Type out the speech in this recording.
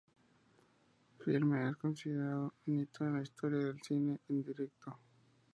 El filme es considerado un hito en la historia del cine en directo.